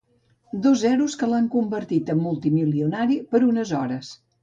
Dos zeros que l’han convertit en multimilionari per unes hores.